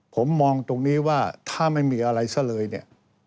ผมมองตรงนี้ว่าถ้าไม่มีอะไรซะเลยเนี่ย